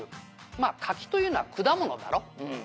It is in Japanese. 「まあ柿というのは果物だろうん」